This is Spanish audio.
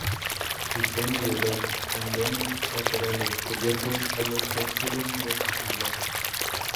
Dispone de dos andenes laterales cubiertos a los que acceden dos vías.